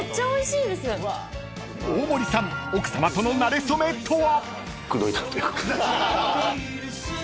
［大森さん奥さまとのなれ初めとは？］